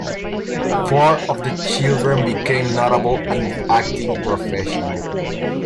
Four of the children became notable in the acting profession.